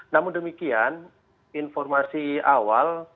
namun demikian informasi awal